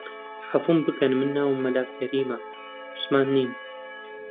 عەفوو بکەن من ناوم مەلا کەریمە، عوسمان نیم